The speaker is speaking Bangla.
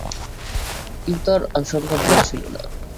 ইউতার আশংকা ভুল ছিলো না।